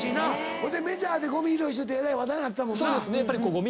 ほいでメジャーでゴミ拾いしててえらい話題になってたもんな。